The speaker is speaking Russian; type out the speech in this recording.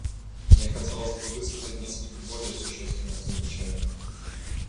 Мне хотелось бы высказать несколько более существенных замечаний.